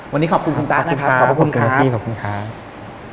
วันนี้ขอบคุณคุณต้านะครับขอบคุณครับขอบคุณครับพี่ขอบคุณครับ